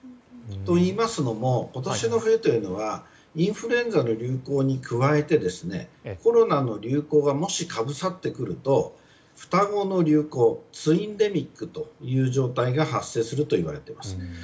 といいますのも、今年の冬はインフルエンザの流行に加えてコロナの流行がもしかぶさってくると双子の流行ツインデミックという状態が発生するといわれています。